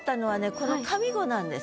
この上五なんです。